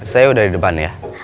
saya udah di depan ya